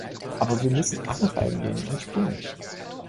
Aber wir müssen alle reingehen und spielen!